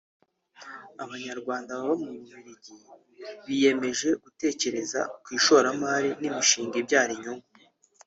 Abanyarwanda baba mu Bubiligi biyemeje gutekereza ku ishoramari n’imishinga ibyara inyungu